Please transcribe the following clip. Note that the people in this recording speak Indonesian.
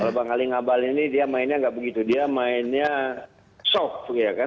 kalau bang ali ngabalin ini dia mainnya nggak begitu dia mainnya soft ya kan